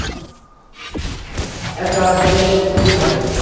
একটা bay bridge হবে?